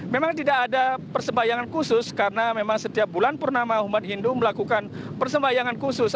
memang tidak ada persembahyangan khusus karena memang setiap bulan purnama umat hindu melakukan persembahyangan khusus